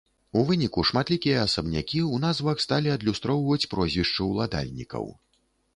У выніку шматлікія асабнякі ў назвах сталі адлюстроўваць прозвішчы ўладальнікаў.